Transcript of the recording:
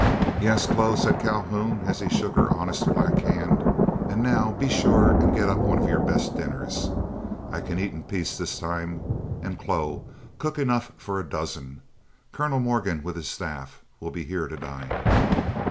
"Yes, Chloe," said Calhoun, as he shook her honest black hand, "and now be sure and get up one of your best dinners, I can eat it in peace this time. And, Chloe, cook enough for a dozen; Colonel Morgan, with his staff, will be here to dine."